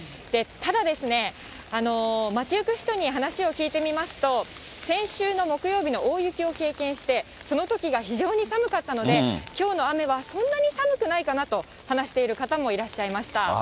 ただ、街行く人に話を聞いてみますと、先週の木曜日の大雪を経験して、そのときが非常に寒かったので、きょうの雨はそんなに寒くないかなと話している方もいらっしゃいました。